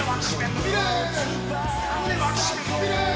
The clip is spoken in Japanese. つかんで脇締め伸びる。